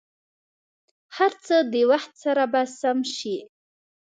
هر څه د وخت سره به سم شي.